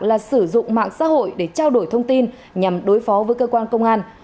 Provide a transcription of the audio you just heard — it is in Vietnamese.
là sử dụng mạng xã hội để trao đổi thông tin nhằm đối phó với cơ quan công an